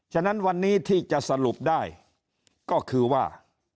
ฉะนั้นวันนี้ที่จะสรุปได้ก็คือว่า